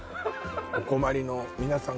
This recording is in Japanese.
お困りの皆さん